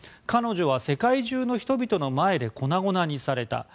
彼女は世界中の人々の前で粉々にされた。